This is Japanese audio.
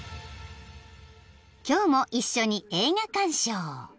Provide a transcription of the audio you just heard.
［今日も一緒に映画観賞。